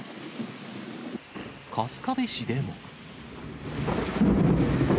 春日部市でも。